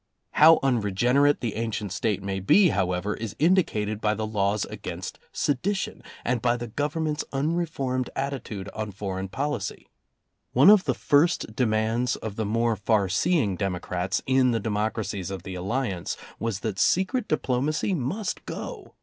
How unregenerate the ancient State may be, however, is indicated by the laws against sedition, and by the Government's uni formed attitude on foreign policy. One of the first demands of the more far seeing democrats in the democracies of the Alliance was that secret diplomacy must go.